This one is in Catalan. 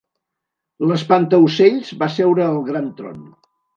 L'espantaocells va seure al gran tron.